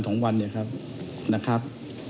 แต่ชีวิตกล้า